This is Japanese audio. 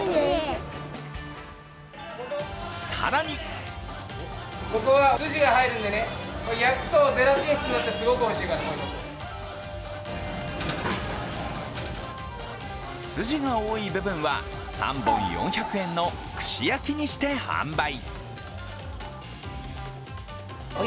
更に筋が多い部分は３本４００円の串焼きにして販売。